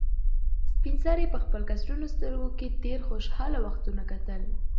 سپین سرې په خپل کڅوړنو سترګو کې تېر خوشحاله وختونه کتل.